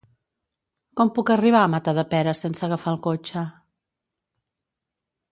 Com puc arribar a Matadepera sense agafar el cotxe?